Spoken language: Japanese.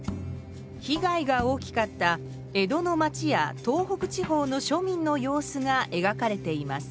被害が大きかった江戸の町や東北地方のしょみんの様子がえがかれています。